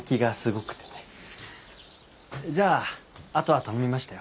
じゃああとは頼みましたよ。